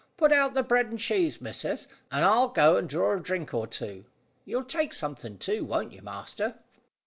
"Put out the bread and cheese, missus, and I'll go and draw a drink or two. You'll take something too, won't you, master?"